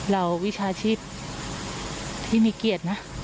วิชาชีพที่มีเกียรตินะ